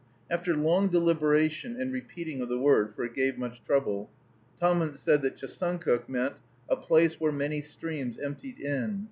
After long deliberation and repeating of the word, for it gave much trouble, Tahmunt said that Chesuncook meant a place where many streams emptied in